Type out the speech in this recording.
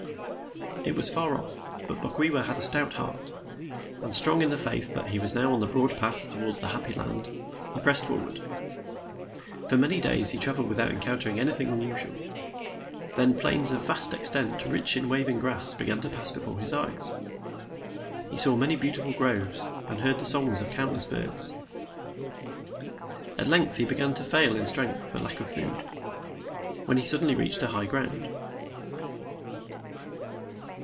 It was far off, but Bokwewa had a stout heart; and strong in the faith that he was now on the broad path toward the happy land, he pressed forward. For many days he traveled without encountering anything unusual. Then plains of vast extent, rich in waving grass, began to pass before his eyes. He saw many beautiful groves and beard the songs of countless birds. At length he began to fail in strength for lack of food; when he suddenly reached a high ground.